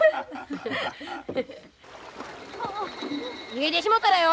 逃げてしもうたらよ！